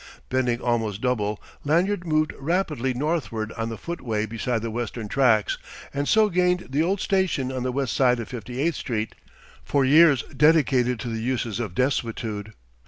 Bending almost double Lanyard moved rapidly northward on the footway beside the western tracks, and so gained the old station on the west side of Fifty eighth Street, for years dedicated to the uses of desuetude.